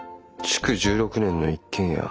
築１６年の一軒家。